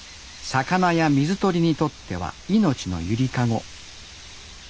魚や水鳥にとっては命の揺りかご。